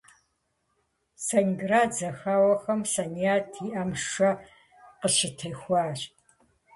Сталинград зэхэуэхэм Саният и ӏэм шэ къыщытехуащ.